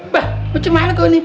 bah kece malu gua ini